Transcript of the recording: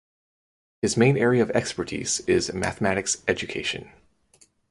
His main area of expertise is mathematics education.